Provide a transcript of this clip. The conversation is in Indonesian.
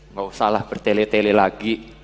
nggak usah lah bertele tele lagi